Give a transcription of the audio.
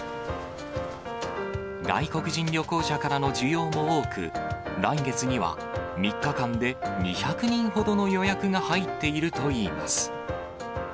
外国人旅行者からの需要も多く、来月には３日間で２００人ほどの予約が入っているといいます。